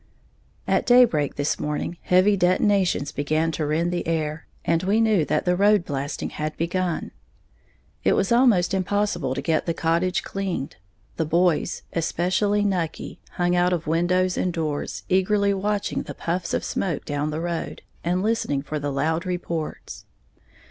_ At daybreak this morning, heavy detonations began to rend the air, and we knew that the road blasting had begun. It was almost impossible to get the cottage cleaned, the boys, especially Nucky, hung out of windows and doors, eagerly watching the puffs of smoke down the road, and listening for the loud reports.